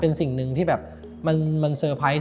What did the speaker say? เป็นสิ่งหนึ่งที่แบบมันเซอร์ไพรส์